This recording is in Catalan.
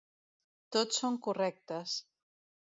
Tots són correctes.